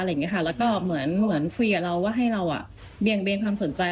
แล้วก็เหมือนคุยกับเราว่าให้เราเบี่ยงเบนความสนใจ